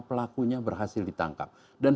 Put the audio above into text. pelakunya berhasil ditangkap dan